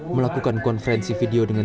melakukan konferensi video dengan